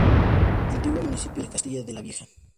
Antiguo municipio de Castilla la Vieja.